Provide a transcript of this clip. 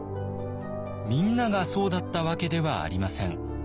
みんながそうだったわけではありません。